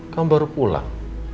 kamu baru pulang